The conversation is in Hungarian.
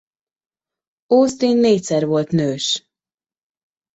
Austin négyszer volt nős.